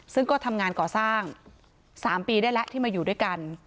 ซึ่งก็ทำงานก่อสร้าง๓ปีได้แล้วที่มาอยู่ด้วยกัน